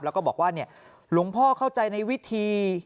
แล้วก็บอกว่าหลวงพ่อเข้าใจในวิธี